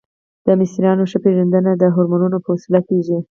د مصریانو ښه پیژندنه د هرمونو په وسیله کیږي.